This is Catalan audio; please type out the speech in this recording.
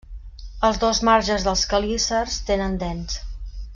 Els dos marges dels quelícers tenen dents.